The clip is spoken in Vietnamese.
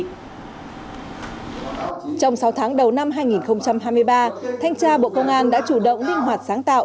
trong sáu tháng đầu năm hai nghìn hai mươi ba thanh tra bộ công an đã chủ động linh hoạt sáng tạo